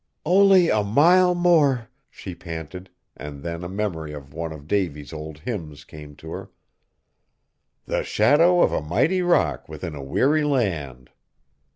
"Only a mile more!" she panted, and then a memory of one of Davy's old hymns came to her: "The shadow of a mighty rock within a weary land."